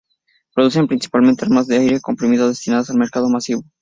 Producen principalmente armas de aire comprimido destinadas al mercado masivo.